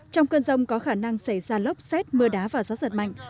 trong cơn rông có khả năng xảy ra lốc xét mưa đá và gió giật mạnh